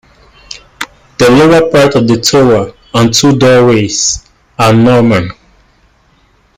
The lower part of the tower and two doorways are Norman.